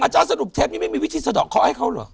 อาจารย์สนุกเชฟยังไม่มีวิธีสะดอกเค้าให้เค้าหรือ